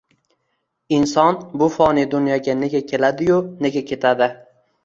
Inson bu foniy dunyoga nega keladi-yu, nega ketadi?